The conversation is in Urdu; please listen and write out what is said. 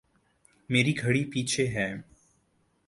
میری گھڑی پیچھے ہے